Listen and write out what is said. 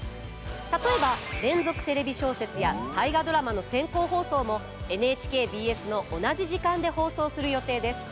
例えば「連続テレビ小説」や「大河ドラマ」の先行放送もＮＨＫＢＳの同じ時間で放送する予定です。